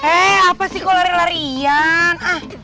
eh apa sih kok lari larian